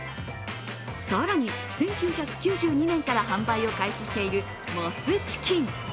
更に１９９２年から販売を開始しているモスチキン。